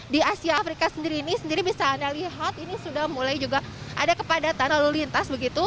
di asia afrika sendiri ini sendiri bisa anda lihat ini sudah mulai juga ada kepadatan lalu lintas begitu